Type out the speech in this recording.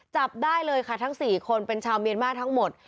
จับได้เลยค่ะทั้ง๔คนเป็นชาวเมียนมาร์ทั้งหมด